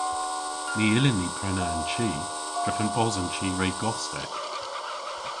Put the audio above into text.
Ny yllyn ni prena an chi drefen bos an chi re gostek.